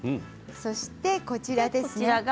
そして、こちらです。